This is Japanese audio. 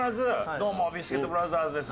「どうもビスケットブラザーズです」。